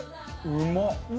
うまっ！